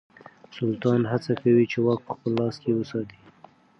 سلطان هڅه کوي چې واک په خپل لاس کې وساتي.